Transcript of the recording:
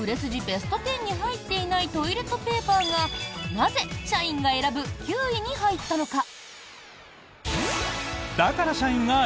ベスト１０に入っていないトイレットペーパーが、なぜ社員が選ぶ９位に入ったのか。